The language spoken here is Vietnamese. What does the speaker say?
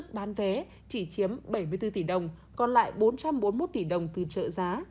chỉ chiếm bảy mươi bốn tỷ đồng còn lại bốn trăm bốn mươi một tỷ đồng từ trợ giá